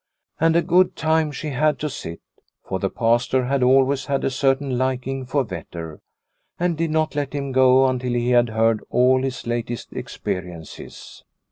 And a good time she had to sit, for the Pastor had always had a certain liking for Vetter, and did not let him go until he had heard all his latest experiences.